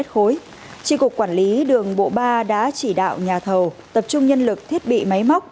tri cục quản lý đường bộ ba đã chỉ đạo nhà thầu tập trung nhân lực thiết bị máy móc